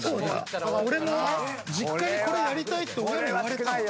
俺も実家に「これやりたい」って親に言われたわ。